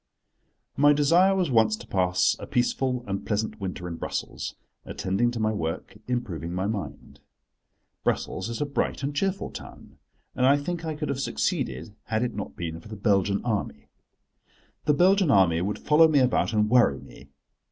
MY desire was once to pass a peaceful and pleasant winter in Brussels, attending to my work, improving my mind. Brussels is a bright and cheerful town, and I think I could have succeeded had it not been for the Belgian Army. The Belgian Army would follow me about and worry me.